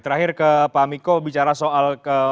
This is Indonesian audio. terakhir ke pak miko bicara soal